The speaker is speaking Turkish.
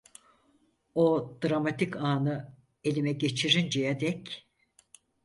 O dramatik ânı, elime geçirinceye dek.